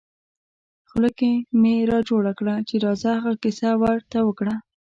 خوله کې مې را جوړه کړه چې راځه هغه کیسه ور ته وکړه.